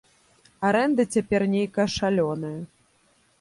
Арэнда цяпер нейкая шалёная.